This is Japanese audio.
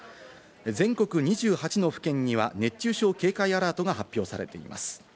全国２８の府県には熱中症警戒アラートが発表されています。